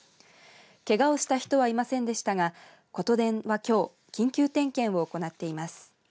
けがをした人はいませんでしたがことでんは、きょう緊急点検を行っています。